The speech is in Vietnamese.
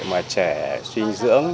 mà trẻ suy dinh dưỡng